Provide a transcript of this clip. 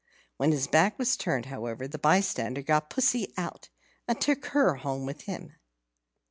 When his back was turned, however, the bystander got Pussy out, and took her home with him.